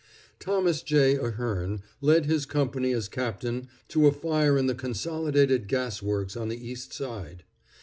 Thomas J. Ahearn led his company as captain to a fire in the Consolidated Gas Works on the East Side.